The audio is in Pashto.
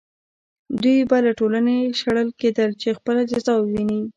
دوی به له ټولنې شړل کېدل چې خپله جزا وویني.